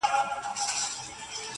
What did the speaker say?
• او دده اوښكي لا په شړپ بهيدې.